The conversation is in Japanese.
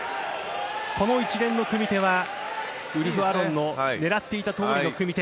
この一連の組み手はウルフ・アロンの狙っていたとおりの組み手。